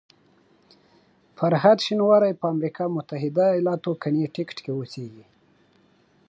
فرهاد شینواری په امریکا متحده ایالاتو کنیټیکټ کې اوسېږي.